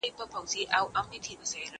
زه پرون چايي وڅښلې!!